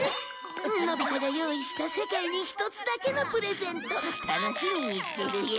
のび太が用意した世界に一つだけのプレゼント楽しみにしてるよ。